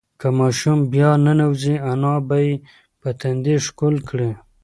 که ماشوم بیا ننوځي، انا به یې په تندي ښکل کړي.